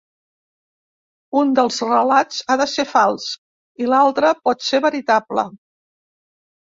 Un dels relats ha de ser fals i l'altre pot ser veritable.